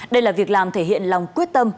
đây là việc làm thể hiện lòng quyết tâm